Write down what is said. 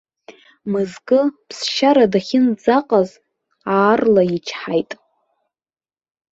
Мызкы ԥсшьара дахьынӡаҟаз, аарла ичҳаит.